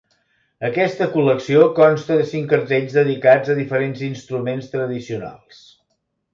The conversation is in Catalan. Aquesta col·lecció consta de cinc cartells dedicats a diferents instruments tradicionals.